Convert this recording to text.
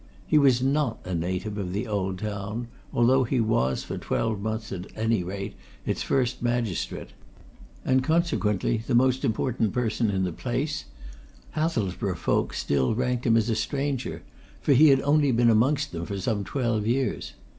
He was not a native of the old town; although he was, for twelve months at any rate, its first magistrate, and consequently the most important person in the place, Hathelsborough folk still ranked him as a stranger, for he had only been amongst them for some twelve years.